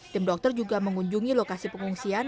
tim dokter juga mengunjungi lokasi pengungsian